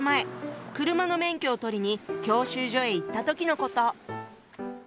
車の免許を取りに教習所へ行った時のこと。